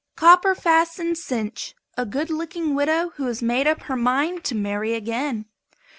COPPER FASTENED CINCH. A good looking widow who has made up her mind to marry again.